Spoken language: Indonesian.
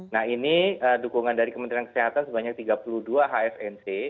nah ini dukungan dari kementerian kesehatan sebanyak tiga puluh dua hfnc